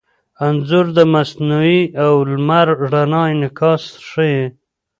انځور د مصنوعي او لمر رڼا انعکاس ښيي.